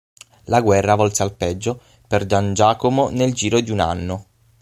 La guerra volse al peggio per Giangiacomo nel giro di un anno.